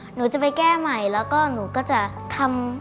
หนูจะไปแก้ใหม่แล้วก็หนูก็จะทำ